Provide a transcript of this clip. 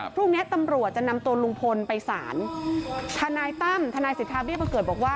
พรุ่งนี้ตำรวจจะนำตัวลุงพลไปสารทนายตั้มทนายสิทธาเบี้ยบังเกิดบอกว่า